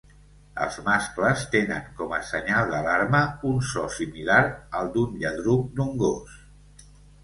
Els mascles tenen com a senyal d'alarma un so similar al d'un lladruc d'un gos.